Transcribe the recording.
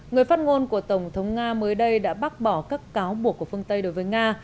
người phát ngôn của tổng thống nga mới đây đã bác bỏ các cáo buộc của phương tây đối với nga